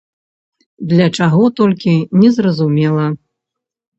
Для чаго толькі, незразумела.